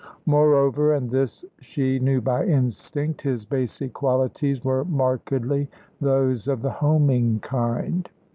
Moreover and this she knew by instinct his basic qualities were markedly those of the homing kind.